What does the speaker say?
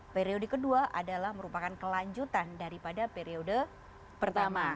periode kedua adalah merupakan kelanjutan daripada periode pertama